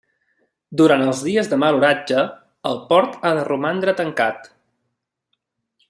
Durant els dies de mal oratge, el port ha de romandre tancat.